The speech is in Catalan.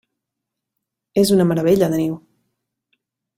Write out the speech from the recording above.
És una meravella de niu!